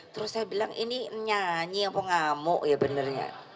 terus saya bilang ini nyanyi sama ngamuk ya benernya